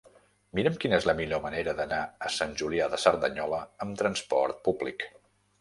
Mira'm quina és la millor manera d'anar a Sant Julià de Cerdanyola amb trasport públic.